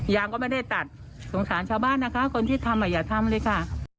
ยังไม่ได้ตัดสงสารชาวบ้านนะคะคนที่ทำอย่าทำเลยค่ะ